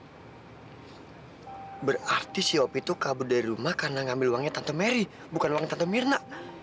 jangan jangan si op itu kabur karena pengen ngambil uangnya tante merry dari tante mirna